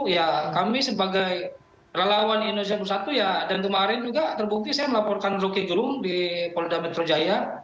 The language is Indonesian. ya kami sebagai relawan indonesia bersatu ya dan kemarin juga terbukti saya melaporkan rocky gerung di polda metro jaya